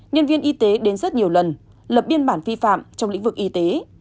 nhân viên y tế đến rất nhiều lần lập biên bản vi phạm trong lĩnh vực y tế